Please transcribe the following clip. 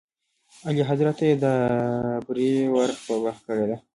اعلیحضرت ته یې دا بری ور په برخه کړی دی.